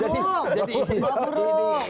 jadi ini bawa burung